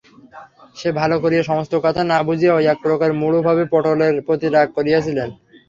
সে ভালো করিয়া সমস্ত কথা না বুঝিয়াও একপ্রকার মূঢ়ভাবে পটলের প্রতি রাগ করিয়াছিল।